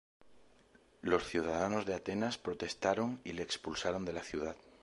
Los ciudadanos de Atenas protestaron y le expulsaron de la ciudad.